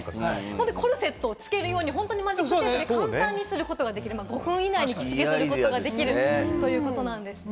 コルセットを着けるように本当にマジックテープで簡単につけることができる、５分以内で着付けをすることができるということなんですね。